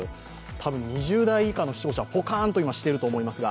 多分２０代以下の視聴者はポカーンとしていると思いますが。